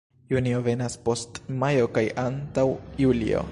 Junio venas post majo kaj antaŭ julio.